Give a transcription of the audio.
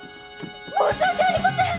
申し訳ありません！